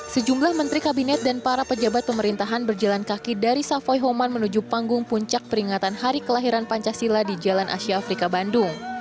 sejumlah menteri kabinet dan para pejabat pemerintahan berjalan kaki dari savoy homan menuju panggung puncak peringatan hari kelahiran pancasila di jalan asia afrika bandung